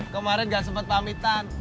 kemarin gak sempet pamitan